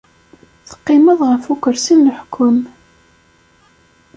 Teqqimeḍ ɣef ukersi n leḥkem.